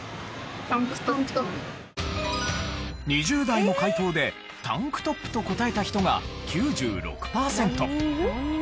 ２０代の回答でタンクトップと答えた人が９６パーセント。